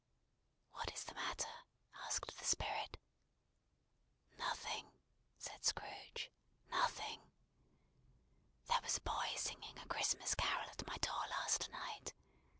"What is the matter?" asked the Spirit. "Nothing," said Scrooge. "Nothing. There was a boy singing a Christmas Carol at my door last night.